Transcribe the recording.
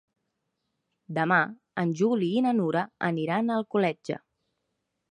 Demà en Juli i na Nura aniran a Alcoletge.